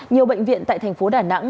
nhiều bệnh viện tại thành phố đà nẵng